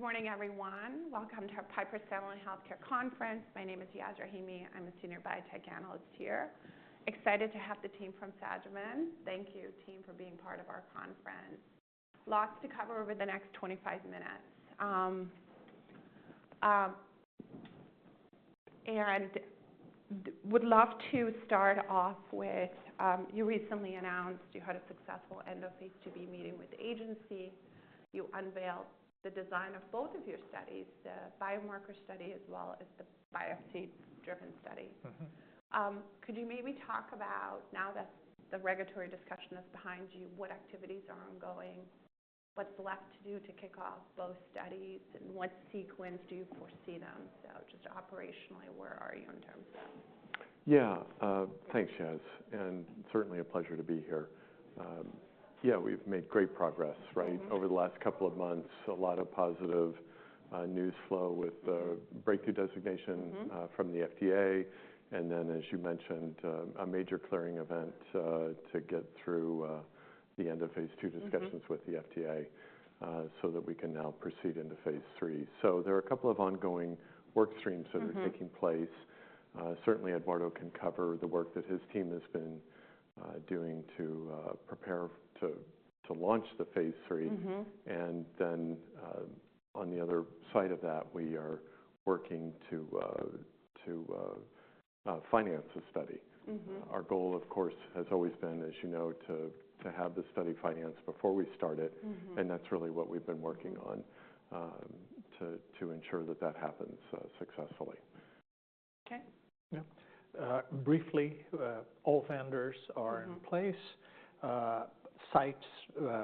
Good morning, everyone. Welcome to Piper Sandler Healthcare Conference. My name is Yasmeen Rahimi. I'm a senior biotech analyst here. Excited to have the team from Sagimet. Thank you, team, for being part of our conference. Lots to cover over the next 25 minutes, and would love to start off with, you recently announced you had a successful End-of-Phase II meeting with the agency. You unveiled the design of both of your studies, the biomarker study as well as the biopsy-driven study. Could you maybe talk about, now that the regulatory discussion is behind you, what activities are ongoing, what's left to do to kick off both studies, and what sequence do you foresee them, so just operationally, where are you in terms of? Yeah, thanks, Yas. And certainly a pleasure to be here. Yeah, we've made great progress, right, over the last couple of months. A lot of positive news flow with the breakthrough designation from the FDA. And then, as you mentioned, a major clearing event to get through the end-of-phase II discussions with the FDA so that we can now proceed into phase III. So there are a couple of ongoing work streams that are taking place. Certainly, Eduardo can cover the work that his team has been doing to prepare to launch the phase III. And then, on the other side of that, we are working to finance the study. Our goal, of course, has always been, as you know, to have the study financed before we start it. And that's really what we've been working on to ensure that that happens successfully. Okay. Yeah. Briefly, all vendors are in place. Sites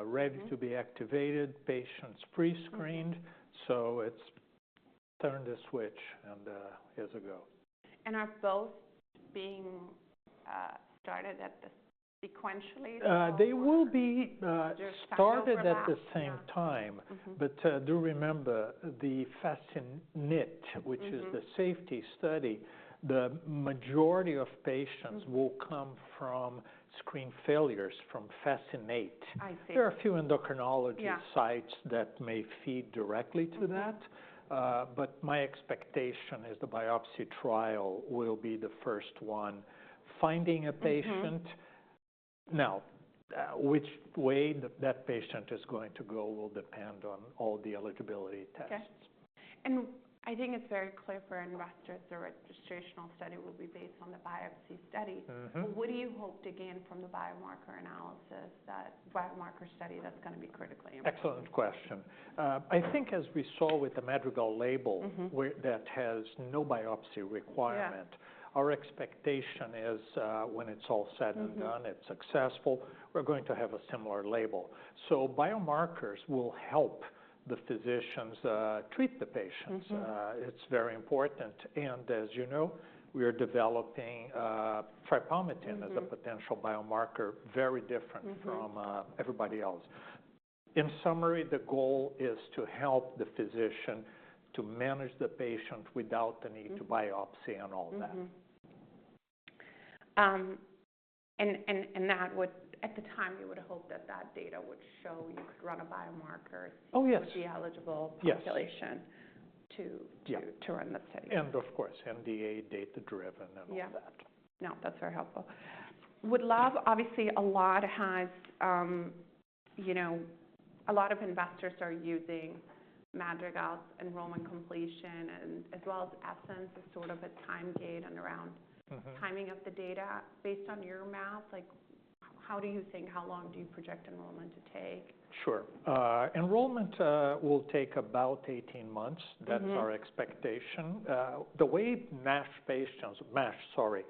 ready to be activated. Patients pre-screened. So it's turn the switch and here's a go. And are both being started at the sequentially? They will be started at the same time. But do remember the FASCINATE, which is the safety study. The majority of patients will come from screen failures from FASCINATE. There are a few endocrinology sites that may feed directly to that. But my expectation is the biopsy trial will be the first one finding a patient. Now, which way that patient is going to go will depend on all the eligibility tests. I think it's very clear for investors the registrational study will be based on the biopsy study. What do you hope to gain from the biomarker analysis, that biomarker study that's going to be critically important? Excellent question. I think as we saw with the Madrigal label that has no biopsy requirement, our expectation is when it's all said and done, it's successful, we're going to have a similar label. So biomarkers will help the physicians treat the patients. It's very important. And as you know, we are developing tripalmitin as a potential biomarker, very different from everybody else. In summary, the goal is to help the physician to manage the patient without the need to biopsy and all that. And that would, at the time, you would have hoped that that data would show you could run a biomarker to be eligible population to run the study. Of course, NDA data-driven and all that. Yeah. No, that's very helpful. Would love, obviously, a lot has, you know, a lot of investors are using Madrigal's enrollment completion, and as well as ESSENCE, as sort of a time gate and around timing of the data. Based on your math, how do you think, how long do you project enrollment to take? Sure. Enrollment will take about 18 months. That's our expectation. The way MASH patients, MASH, sorry,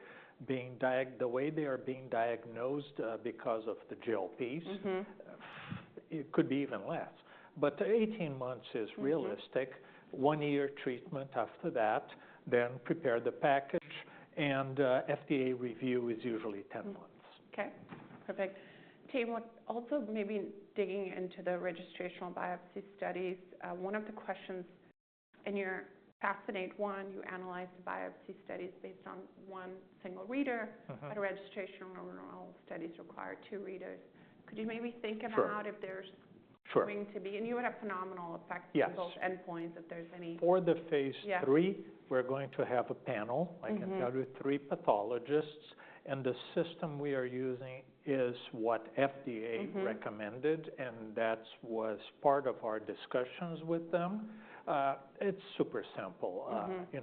being diagnosed, the way they are being diagnosed because of the GLPs, it could be even less. But 18 months is realistic. One year treatment after that, then prepare the package. And FDA review is usually 10 months. Okay. Perfect. Team, also maybe digging into the registrational biopsy studies, one of the questions in your FASCINATE-1, you analyze the biopsy studies based on one single reader. At registrational enrollment studies require two readers. Could you maybe think about if there's going to be, and you had a phenomenal effect on both endpoints if there's any. For the phase III, we're going to have a panel, like I told you, three pathologists. And the system we are using is what FDA recommended. And that was part of our discussions with them. It's super simple. You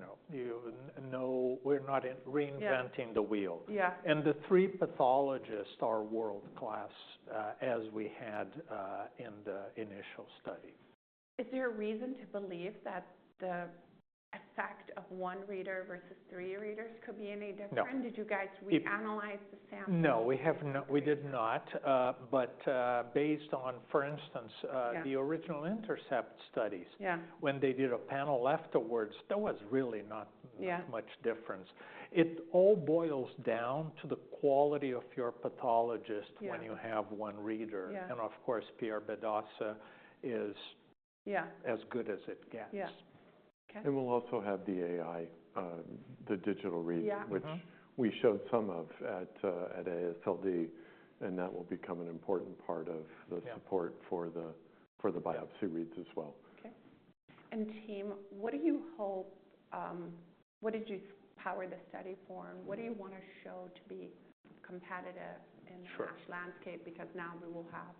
know, we're not reinventing the wheel. And the three pathologists are world-class as we had in the initial study. Is there a reason to believe that the effect of one reader versus three readers could be any different? Did you guys reanalyze the sample? No, we did not, but based on, for instance, the original Intercept studies, when they did a panel afterwards, there was really not much difference. It all boils down to the quality of your pathologist when you have one reader, and of course, Pierre Bedossa is as good as it gets. Yeah. And we'll also have the AI, the digital read, which we showed some of at AASLD. And that will become an important part of the support for the biopsy reads as well. Okay. And team, what do you hope? What did you power the study for? And what do you want to show to be competitive in the MASH landscape? Because now we will have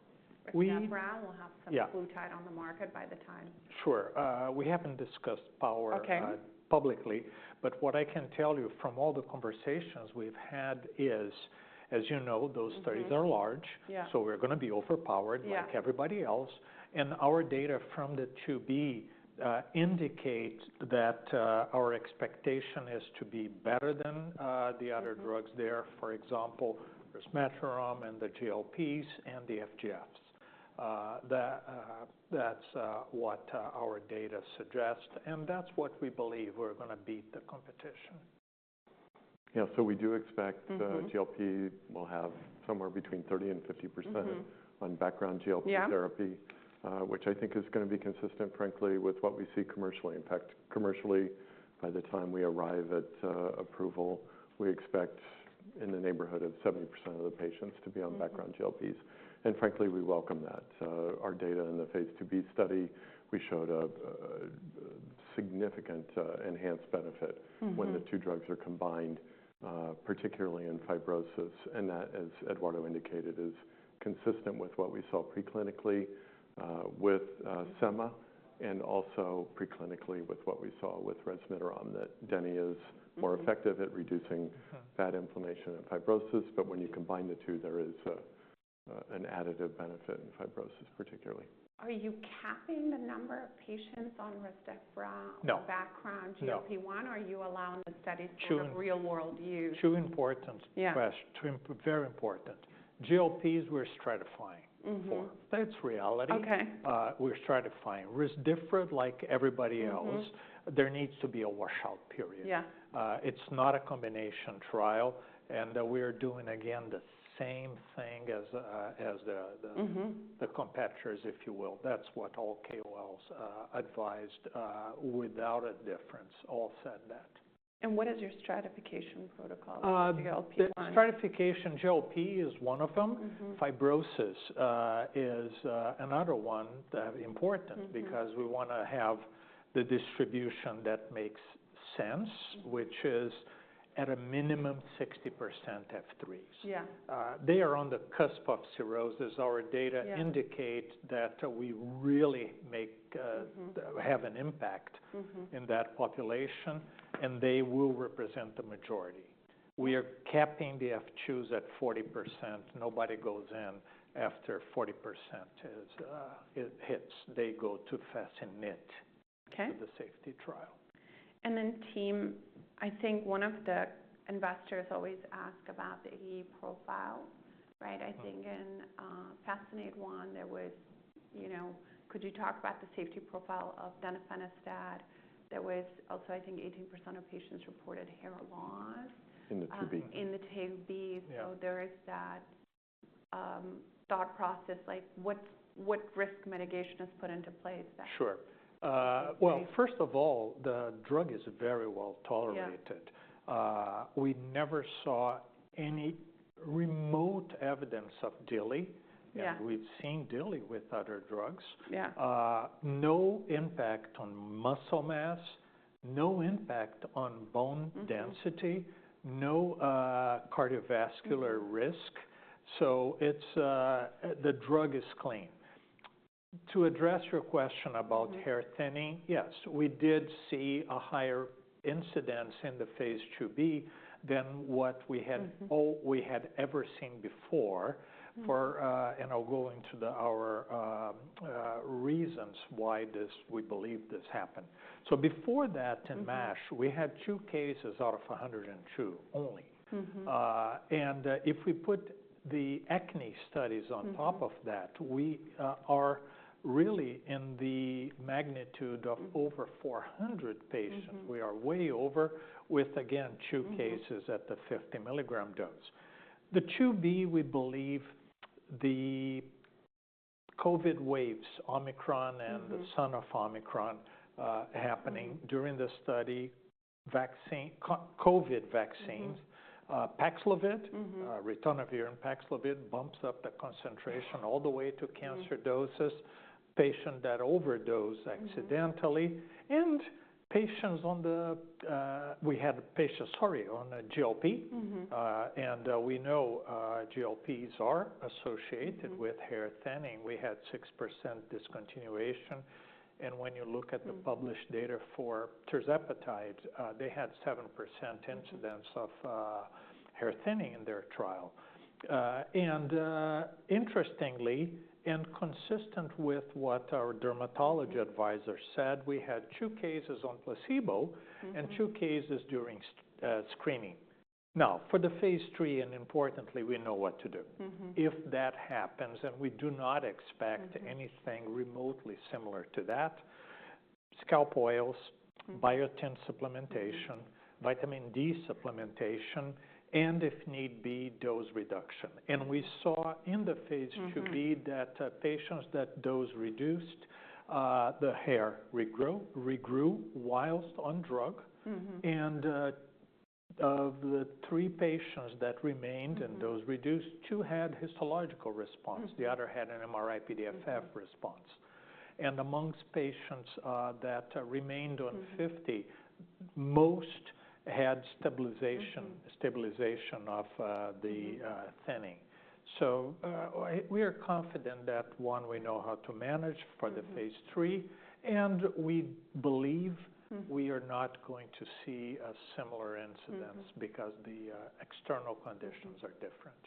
Rezdiffra, we'll have semaglutide on the market by the time. Sure. We haven't discussed power publicly, but what I can tell you from all the conversations we've had is, as you know, those studies are large. So we're going to be overpowered like everybody else, and our data from the II-B indicates that our expectation is to be better than the other drugs there. For example, there's resmetirom and the GLPs and the FGFs. That's what our data suggests, and that's what we believe we're going to beat the competition. Yeah. So we do expect GLP will have somewhere between 30%-50% on background GLP therapy, which I think is going to be consistent, frankly, with what we see commercially. In fact, commercially, by the time we arrive at approval, we expect in the neighborhood of 70% of the patients to be on background GLPs. And frankly, we welcome that. Our data in the phase II-B study showed a significant enhanced benefit when the two drugs are combined, particularly in fibrosis. And that, as Eduardo indicated, is consistent with what we saw preclinically with sema and also preclinically with what we saw with resmetirom, that deni is more effective at reducing fat inflammation and fibrosis. But when you combine the two, there is an additive benefit in fibrosis, particularly. Are you capping the number of patients on Rezdiffra on background GLP-1? Are you allowing the study to have real-world use? Two important questions, very important. GLPs we're stratifying for. That's reality. We're stratifying. Rezdiffra, like everybody else, there needs to be a washout period. It's not a combination trial. And we are doing, again, the same thing as the competitors, if you will. That's what all KOLs advised without a difference. All said that. What is your stratification protocol for GLP-1? The stratification GLP is one of them. Fibrosis is another one that is important because we want to have the distribution that makes sense, which is at a minimum 60% F3s. They are on the cusp of cirrhosis. Our data indicate that we really have an impact in that population, and they will represent the majority. We are capping the F2s at 40%. Nobody goes in after 40% hits. They go to FASCINATE for the safety trial. And then, team, I think one of the investors always asks about the AE profile, right? I think in FASCINATE-1, there was, you know, could you talk about the safety profile of denifanstat? There was also, I think, 18% of patients reported hair loss. In the II-B. In the II-B. So there is that thought process, like what risk mitigation is put into place? Sure, well, first of all, the drug is very well tolerated. We never saw any remote evidence of DILI. We've seen DILI with other drugs. No impact on muscle mass, no impact on bone density, no cardiovascular risk, so the drug is clean. To address your question about hair thinning, yes, we did see a higher incidence in the phase II-B than what we had ever seen before for, and I'll go into our reasons why we believe this happened, so before that, in MASH, we had two cases `of 102 only, and if we put the acne studies on top of that, we are really in the magnitude of over 400 patients. We are way over with, again, two cases at the 50 milligram dose. The II-B, we believe the COVID waves, Omicron, and the son of Omicron happening during the study, COVID vaccines, ritonavir, and Paxlovid bumps up the concentration all the way to cancer doses. Patient that overdosed accidentally. And patients on the, we had patients, sorry, on the GLP. And we know GLPs are associated with hair thinning. We had 6% discontinuation. And when you look at the published data for tirzepatide, they had 7% incidence of hair thinning in their trial. And interestingly, and consistent with what our dermatology advisor said, we had two cases on placebo and two cases during screening. Now, for the phase III, and importantly, we know what to do. If that happens, and we do not expect anything remotely similar to that, scalp oils, biotin supplementation, vitamin D supplementation, and if need be, dose reduction. And we saw in the phase II-B that patients that dose reduced, the hair regrew while on drug. And of the three patients that remained and dose reduced, two had histological response. The other had an MRI-PDFF response. And amongst patients that remained on 50, most had stabilization of the thinning. So we are confident that now we know how to manage for the phase III. And we believe we are not going to see a similar incidence because the external conditions are different.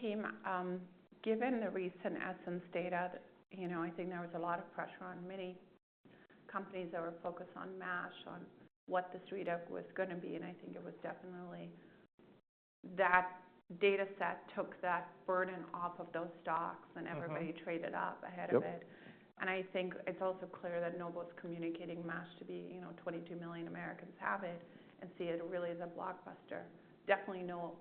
Team, given the recent ESSENCE data, you know, I think there was a lot of pressure on many companies that were focused on MASH on what this readout was going to be. And I think it was definitely that data set took that burden off of those stocks, and everybody traded up ahead of it. And I think it's also clear that Novo Nordisk is communicating MASH to be, you know, 22 million Americans have it and see it really as a blockbuster. Definitely know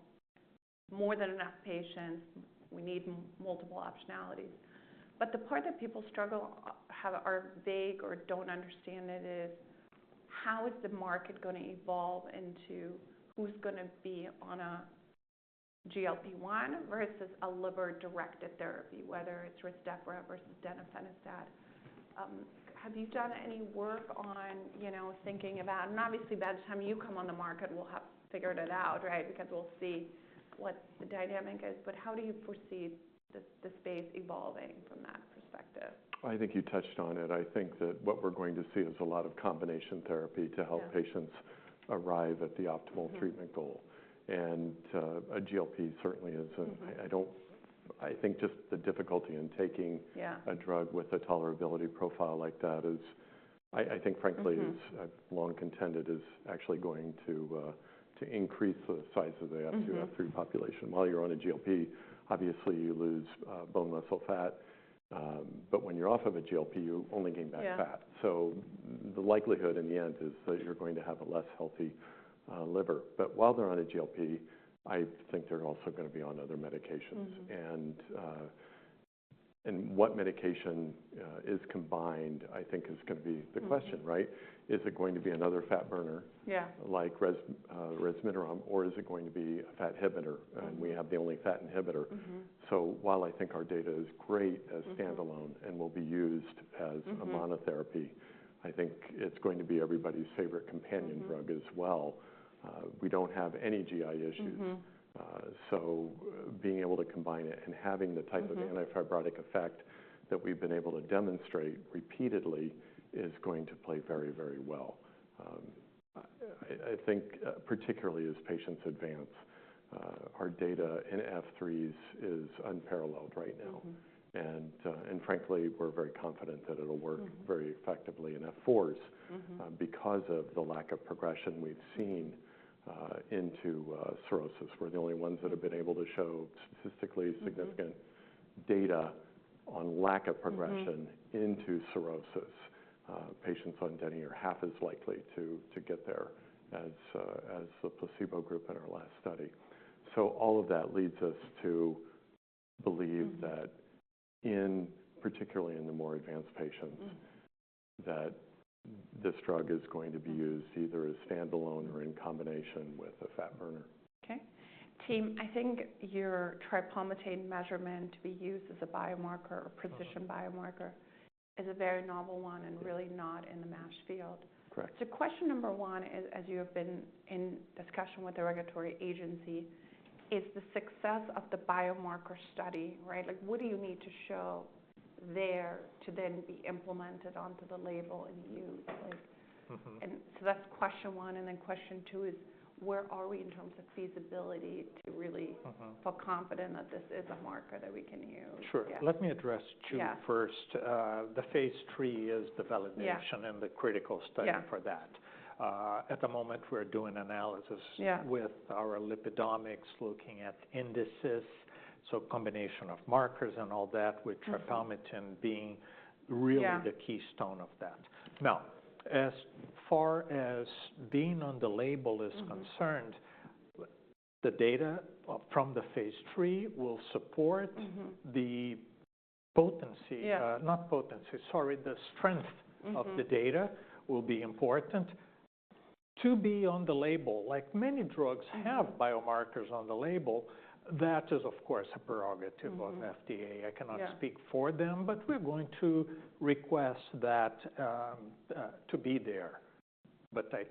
more than enough patients. We need multiple optionalities. But the part that people struggle are vague or don't understand it is how is the market going to evolve into who's going to be on a GLP-1 versus a liver-directed therapy, whether it's Rezdiffra versus denifanstat? Have you done any work on, you know, thinking about, and obviously by the time you come on the market, we'll have figured it out, right? Because we'll see what the dynamic is. But how do you foresee the space evolving from that perspective? I think you touched on it. I think that what we're going to see is a lot of combination therapy to help patients arrive at the optimal treatment goal. And a GLP certainly isn't. I think just the difficulty in taking a drug with a tolerability profile like that is, I think frankly, is long contended is actually going to increase the size of the F2, F3 population. While you're on a GLP, obviously, you lose bone muscle fat. But when you're off of a GLP, you only gain back fat. So the likelihood in the end is that you're going to have a less healthy liver. But while they're on a GLP, I think they're also going to be on other medications. And what medication is combined, I think is going to be the question, right? Is it going to be another fat burner like Rezdiffra, or is it going to be a fat inhibitor? And we have the only fat inhibitor. So while I think our data is great as a standalone and will be used as a monotherapy, I think it's going to be everybody's favorite companion drug as well. We don't have any GI issues. So being able to combine it and having the type of antifibrotic effect that we've been able to demonstrate repeatedly is going to play very, very well. I think, particularly, as patients advance, our data in F3s is unparalleled right now. And frankly, we're very confident that it'll work very effectively in F4s because of the lack of progression we've seen into cirrhosis. We're the only ones that have been able to show statistically significant data on lack of progression into cirrhosis. Patients on deni are half as likely to get there as the placebo group in our last study. All of that leads us to believe that, particularly in the more advanced patients, that this drug is going to be used either as a standalone or in combination with a fat burner. Okay. Team, I think your tripalmitin measurement to be used as a biomarker or precision biomarker is a very novel one and really not in the MASH field. Correct. So question number one is, as you have been in discussion with the regulatory agency, is the success of the biomarker study, right? Like what do you need to show there to then be implemented onto the label and used? And so that's question one. And then question two is, where are we in terms of feasibility to really feel confident that this is a marker that we can use? Sure. Let me address two first. The phase III is the validation and the critical study for that. At the moment, we're doing analysis with our lipidomics, looking at indices. So combination of markers and all that, with tripalmitin being really the keystone of that. Now, as far as being on the label is concerned, the data from the phase III will support the potency, not potency, sorry, the strength of the data will be important. To be on the label, like many drugs have biomarkers on the label, that is, of course, a prerogative of FDA. I cannot speak for them, but we're going to request that to be there. But I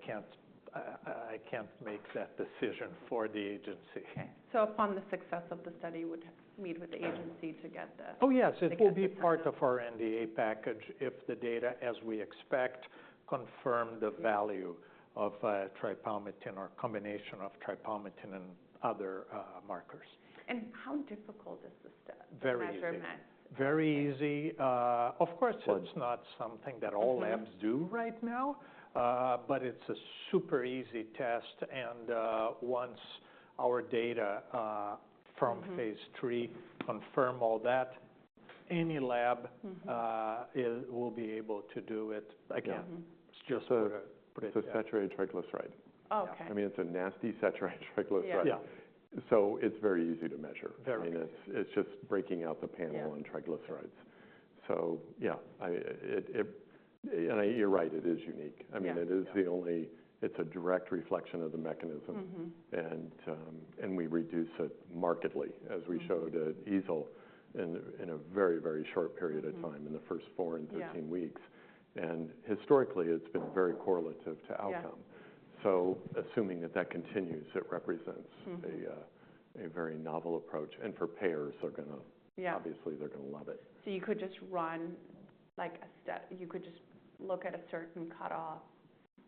can't make that decision for the agency. Upon the success of the study, we would meet with the agency to get the. Oh yes, it will be part of our NDA package if the data, as we expect, confirm the value of tripalmitin or combination of tripalmitin and other markers. How difficult is this to measure? Very easy. Of course, it's not something that all labs do right now, but it's a super-easy test. And once our data from phase III confirm all that, any lab will be able to do it again. It's a saturated triglyceride. Oh, okay. I mean, it's a nasty saturated triglyceride. Yeah, yeah. It's very easy to measure. Very easy. I mean, it's just breaking out the panel on triglycerides. So yeah, and you're right, it is unique. I mean, it is the only, it's a direct reflection of the mechanism. And we reduce it markedly, as we showed at EASL in a very, very short period of time in the first four and 15 weeks. And historically, it's been very correlative to outcome. So assuming that that continues, it represents a very novel approach. And for payers, they're going to, obviously, they're going to love it. So you could just run like a step, you could just look at a certain cutoff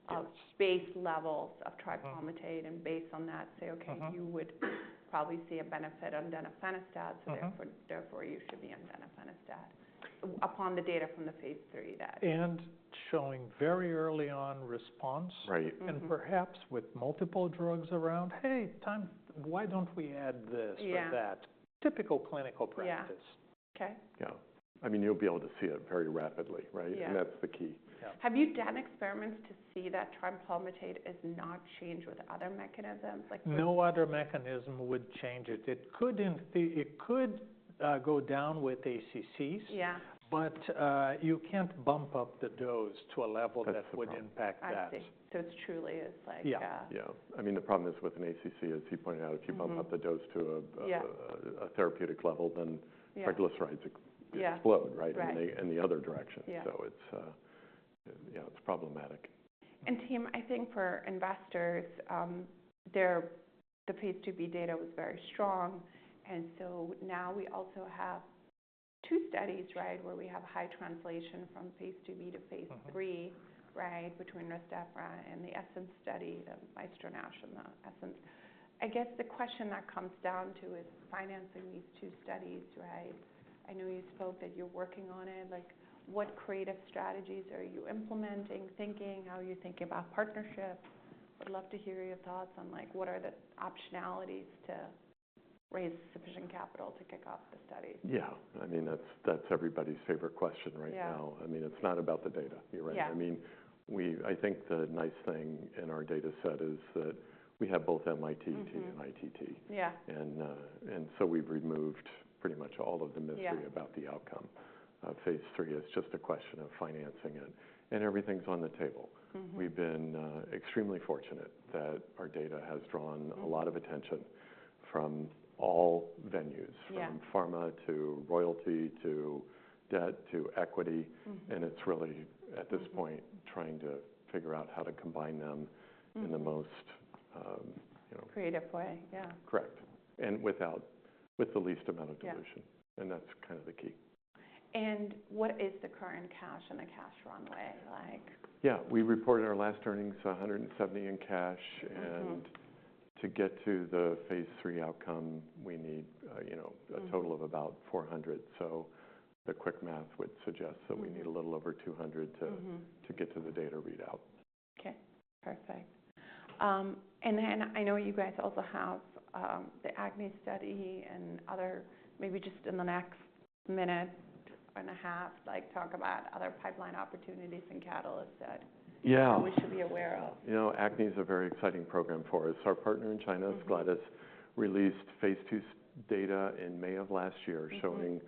of baseline levels of tripalmitin and based on that say, okay, you would probably see a benefit on denifanstat. So therefore, you should be on denifanstat. Upon the data from the phase III that. Showing very early on response. Perhaps with multiple drugs around, hey, why don't we add this or that? Typical clinical practice. Yeah. Okay. Yeah. I mean, you'll be able to see it very rapidly, right, and that's the key. Have you done experiments to see that tripalmitin is not changed with other mechanisms? No other mechanism would change it. It could go down with ACCs, but you can't bump up the dose to a level that would impact that. It's truly like a. Yeah, yeah. I mean, the problem is with an ACC, as he pointed out, if you bump up the dose to a therapeutic level, then triglycerides explode, right? In the other direction. So it's problematic. Team, I think for investors, the phase II-B data was very strong. And so now we also have two studies, right, where we have high translation from phase II-B to phase III, right, between Rezdiffra and the ESSENCE study, the MAESTRO-NASH, and the ESSENCE. I guess the question that comes down to is financing these two studies, right? I know you spoke that you're working on it. Like what creative strategies are you implementing, thinking, how are you thinking about partnerships? I'd love to hear your thoughts on like what are the optionalities to raise sufficient capital to kick off the studies. Yeah. I mean, that's everybody's favorite question right now. I mean, it's not about the data. You're right. I mean, I think the nice thing in our data set is that we have both mITT and ITT. And so we've removed pretty much all of the mystery about the outcome of phase III. It's just a question of financing it. And everything's on the table. We've been extremely fortunate that our data has drawn a lot of attention from all venues, from pharma to royalty to debt to equity. And it's really at this point, trying to figure out how to combine them in the most. Creative way. Yeah. Correct. And with the least amount of dilution. And that's kind of the key. What is the current cash and the cash runway? Yeah. We reported our last earnings $170 million in cash. And to get to the phase III outcome, we need a total of about $400 million. So the quick math would suggest that we need a little over $200 million to get to the data readout. Okay. Perfect. And then I know you guys also have the Acne study and other maybe just in the next minute and a half, like talk about other pipeline opportunities and catalysts that we should be aware of. Yeah. You know, acne is a very exciting program for us. Our partner in China, Ascletis, released phase II data in May of last year showing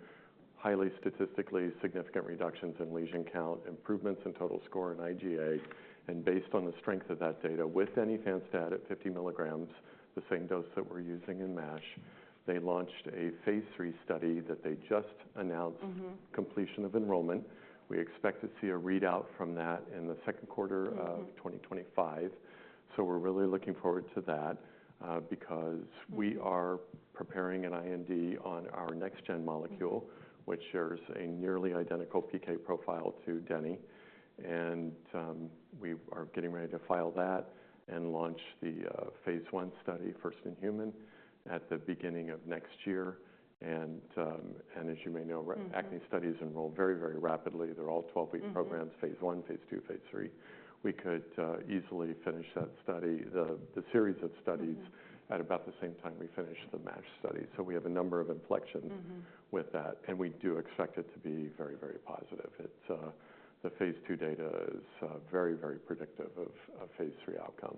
highly statistically significant reductions in lesion count, improvements in total score in IgA, and based on the strength of that data with denifanstat at 50 milligrams, the same dose that we're using in MASH, they launched a phase III study that they just announced completion of enrollment. We expect to see a readout from that in the second quarter of 2025, so we're really looking forward to that because we are preparing an IND on our next-gen molecule, which shares a nearly identical PK profile to deni, and we are getting ready to file that and launch the phase one study first-in-human at the beginning of next year, and as you may know, acne studies enroll very, very rapidly. They're all 12-week programs, phase I, phase II, phase III. We could easily finish that study, the series of studies at about the same time we finished the MASH study, so we have a number of inflections with that and we do expect it to be very, very positive. The phase II data is very, very predictive of phase III outcome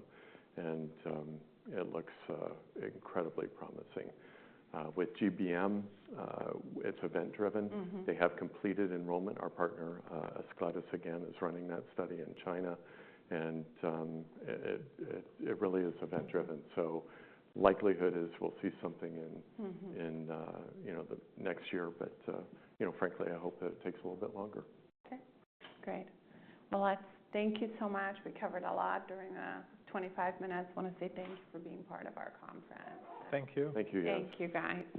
and it looks incredibly promising. With GBM, it's event-driven. They have completed enrollment. Our partner, Ascletis, again is running that study in China, and it really is event-driven, so likelihood is we'll see something in the next year but frankly, I hope that it takes a little bit longer. Okay. Great. Well, thank you so much. We covered a lot during 25 minutes. I want to say thank you for being part of our conference. Thank you. Thank you Thank you, guys.